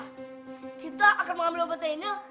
kita akan mengambil obat ini